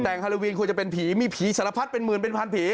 แต่งฮาโลวีนควรจะเป็นผีมีผีสารพัดเป็นหมื่นเป็นพันผี